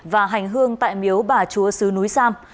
và hành hương tại miếu bà chúa sứ núi sam